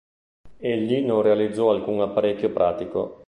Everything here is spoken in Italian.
Egli non realizzò alcun apparecchio pratico.